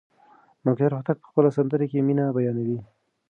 ملکیار هوتک په خپله سندره کې مینه بیانوي.